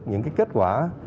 những kết quả